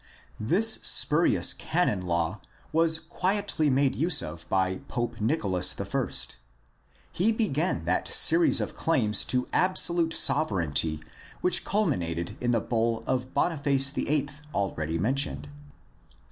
This spurious canon law was quietly made use of by Pope Nicholas I. He began that series of claims to absolute sovereignty which culminated in the bull of Boniface VIII, DEVELOPMENT OF THE CATHOLIC CHURCH 347 already mentioned.